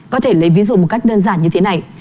có thể lấy ví dụ một cách đơn giản như thế này